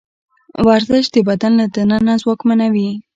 ورزش د بدن له دننه ځواکمنوي.